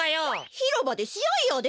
ひろばでしあいやで。